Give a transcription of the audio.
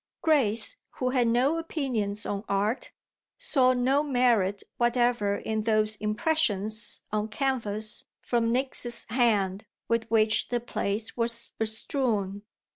Grace, who had no opinions on art, saw no merit whatever in those "impressions" on canvas from Nick's hand with which the place was bestrewn.